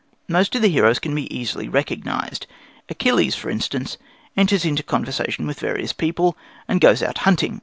Most of the heroes can be easily recognized. Achilles, for instance, enters into conversation with various people, and goes out hunting.